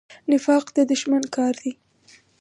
نفاق د دښمن کار دی